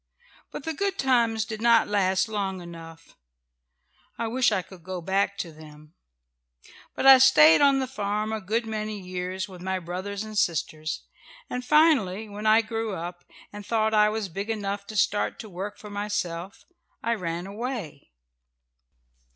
But the good times did not last long enough. I wish I could go back to them. "But I stayed on the farm a good many years, with my brothers and sisters, and finally when I grew up, and thought I was big enough to start to work for myself, I ran away."